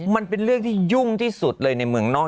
มันเป็นเรื่องที่ยุ่งที่สุดเลยในเมืองนอก